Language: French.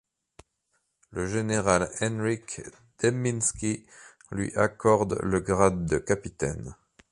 Le général Henryk Dembiński lui accorde le grade de capitaine.